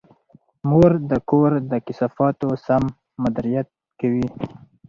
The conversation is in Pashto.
مور د کور د کثافاتو سم مدیریت کوي.